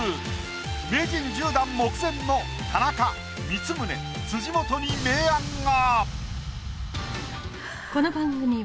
名人１０段目前の田中光宗辻元に明暗が！